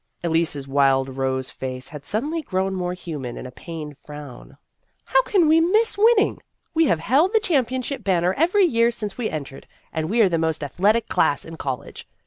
Elise's wild rose face had suddenly grown more human in a pained frown. " How can we miss winning ? We have held the championship banner every year since we entered, and we are the most athletic class in college.